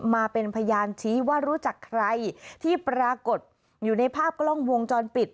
มาเป็นพยานชี้ว่ารู้จักใครที่ปรากฏอยู่ในภาพกล้องวงจรปิด